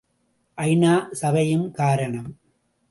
ஐ.நா., சபையும் காரணம்.